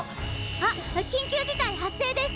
あっ緊急事態発生です！